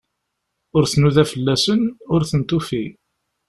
Ur tnuda fell-asen, ur ten-tufi.